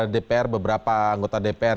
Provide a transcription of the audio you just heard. dpr beberapa anggota dpr